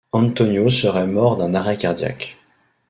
Antonio serait mort d'un arrêt cardiaque.